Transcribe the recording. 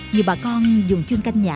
nhiều bà con dùng chuyên canh nhãn